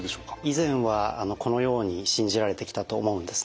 以前はこのように信じられてきたと思うんですね。